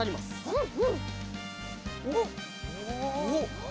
うん！